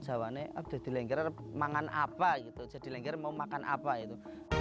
sawane atau mengengger mengenappai jadilenger mau makan apa itu